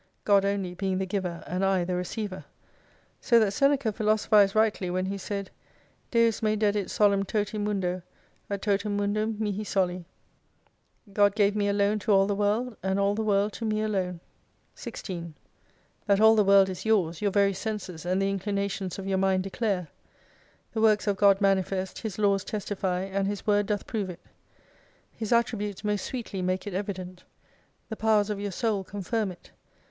God only being the Girer and I the Receiver. So that Seneca philoso phized rightly when he said " Dens me dedit solum toti Mundo, et iotum Mundum mihi soli" : God gave me alone to all the World, and all the World to me alone. 16 That all the World is yours, your very senses and the inchnations of your mind declare. The Works of God manifest, His laws testify, and His word doth prove it. His attributes most sweetly make it evident. The powers of your soul confirm it.